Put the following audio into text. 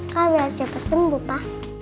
kok biar cepetan bu pa